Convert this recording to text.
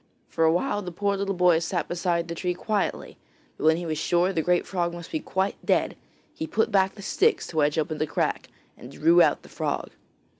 For awhile the poor little boy sat beside the tree quietly, but when he was sure the great frog must be quite dead, he put back the sticks to wedge open the crack and drew out the frog.